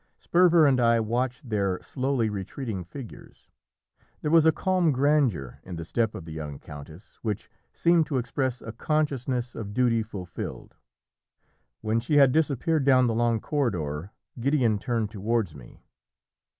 Sperver and I watched their slowly retreating figures. There was a calm grandeur in the step of the young countess which seemed to express a consciousness of duty fulfilled. When she had disappeared down the long corridor Gideon turned towards me.